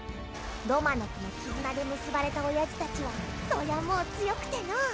ロマノフの絆で結ばれたオヤジたちはそりゃもう強くてのう。